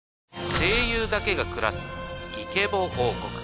声優だけが暮らすイケボ王国。